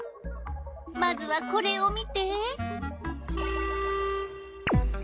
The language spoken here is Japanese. まずはこれを見て！